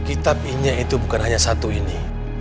kitab inyek itu bukan hanya satu ini